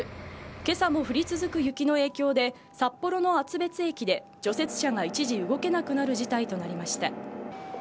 けさも降り続く雪の影響で、札幌の厚別駅で、除雪車が一時動けなくなる事態となりました。